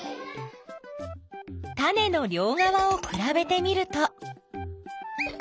タネのりょうがわをくらべてみると。